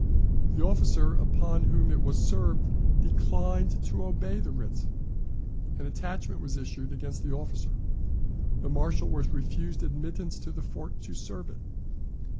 The officer upon whom it was served declined to obey the writ. An attachment was issued against the officer. The marshal was refused admittance to the fort to serve it.